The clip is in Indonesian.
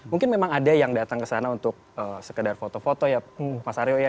mungkin memang ada yang datang ke sana untuk sekedar foto foto ya mas aryo ya